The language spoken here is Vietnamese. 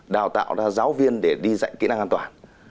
đào tạo ra giáo viên để đi dạy kỹ năng an toàn